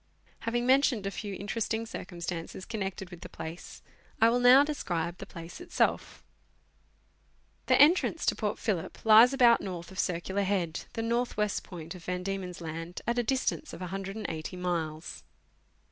Having mentioned a few interesting cir cumstances connected with the place, I will now describe the place itself. The entrance to Port Phillip lies about north of Circular Head, the north west point of Van Diemen's Land, at a distance of 180 miles.